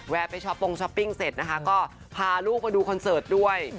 ไปช้อปปงช้อปปิ้งเสร็จนะคะก็พาลูกมาดูคอนเสิร์ตด้วย